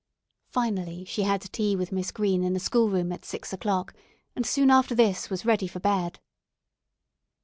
Finally she had tea with Miss Green in the schoolroom at six o'clock, and soon after this was ready for bed.